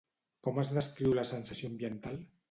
Com es descriu la sensació ambiental?